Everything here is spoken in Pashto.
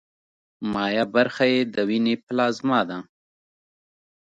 مایع برخه یې د ویني پلازما ده.